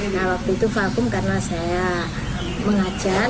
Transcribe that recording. nah waktu itu vakum karena saya mengajar